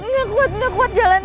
gak kuat gak kuat jalannya